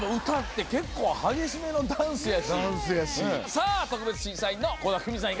さあ特別審査員の倖田來未さん